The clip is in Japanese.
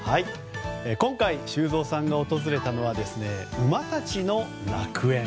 今回修造さんが訪れたのは馬たちの楽園。